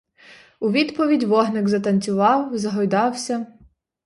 У відповідь вогник затанцював, загойдався.